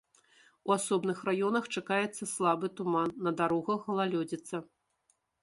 У асобных раёнах чакаецца слабы туман, на дарогах галалёдзіца.